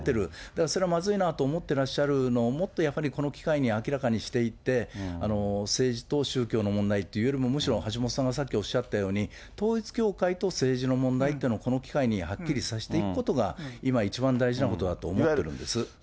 だからそれはまずいなと思ってらっしゃるのをもっとやっぱりこの機会に明らかにしていって、政治と宗教の問題というよりも、むしろ橋本さんがさっきおっしゃったように、統一教会と政治の問題というのをこの機会にはっきりさせていくことが今、いちばん大事なことだと思ってるんです。